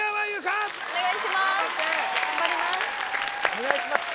お願いします